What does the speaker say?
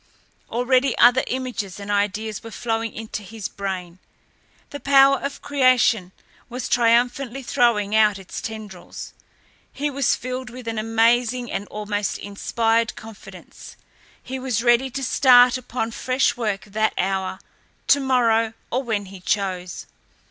Already other images and ideas were flowing into his brain. The power of creation was triumphantly throwing out its tendrils. He was filled with an amazing and almost inspired confidence. He was ready to start upon fresh work that hour, to morrow, or when he chose.